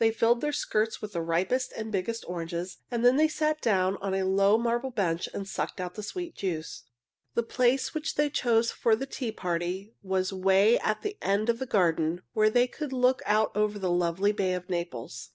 They filled their skirts with the ripest and biggest oranges, then they sat down on a low marble bench and sucked out the sweet juice. The place which they chose for the tea party was 'way at the end of the garden where they could look out over the lovely Bay of Naples.